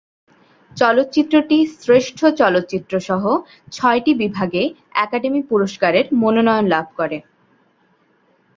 চলচ্চিত্রটি শ্রেষ্ঠ চলচ্চিত্রসহ ছয়টি বিভাগে একাডেমি পুরস্কারের মনোনয়ন লাভ করে।